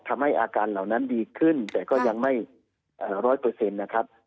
ทำให้อาการเหล่านั้นดีขึ้นแต่ก็ยังไม่ร้อยเปอร์เซ็นต์นะครับ